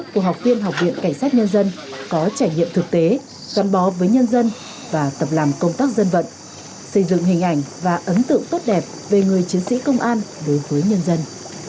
phối hợp với đoàn viên thanh niên công an huyện sơn dương hỗ trợ giúp đỡ bà con